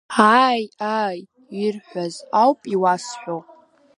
Ааи, ааи, ирҳәаз ауп иуасҳәо.